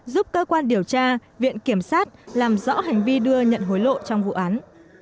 giúp cơ quan điều tra viện kiểm sát làm rõ hành vi đưa nhận hối lộ trong vụ án